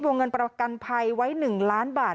วงเงินประกันภัยไว้๑ล้านบาท